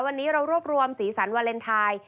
วันนี้เรารวบรวมสีสันวาเลนไทย